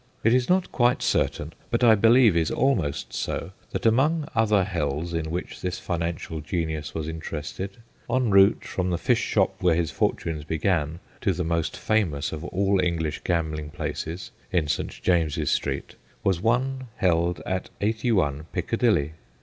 It is not quite certain, but I believe is almost so, that among other hells in which this financial genius was interested, en route from the fish shop where his fortunes began to the most famous of all English gambling places in St. James's Street, was one held at 8 1 Piccadilly.